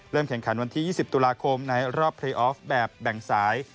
แข่งขันวันที่๒๐ตุลาคมในรอบพรีออฟแบบแบ่งสาย